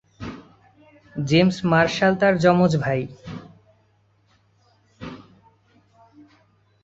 James Marshall তার যমজ ভাই।